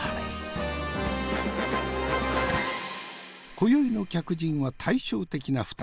今宵の客人は対照的な２人。